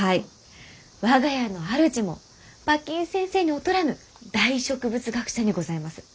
我が家の主も馬琴先生に劣らぬ大植物学者にございます。